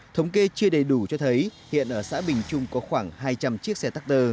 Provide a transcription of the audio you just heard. thống kê chưa đầy đủ cho thấy hiện ở xã bình trung có khoảng hai trăm linh chiếc xe